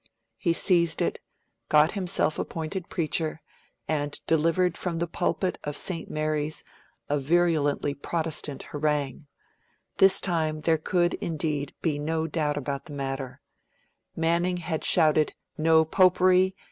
He seized it; got himself appointed preacher; and delivered from the pulpit of St. Mary's a virulently Protestant harangue. This time there could indeed be no doubt about the matter: Manning had shouted 'No Popery!'